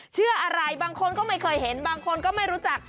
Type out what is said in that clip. เชื่ออะไรบางคนก็ไม่เคยเห็นบางคนก็ไม่รู้จัก